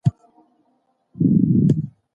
یو له بل سره مرسته کول د پرمختګ لاره ده.